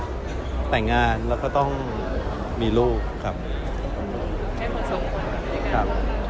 ต้องแต่งงานแล้วก็ต้องมีลูกให้ขอบคุณ